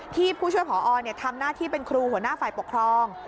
ผู้ช่วยผอทำหน้าที่เป็นครูหัวหน้าฝ่ายปกครอง